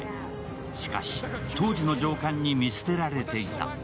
しかし当時の上官に見捨てられていた。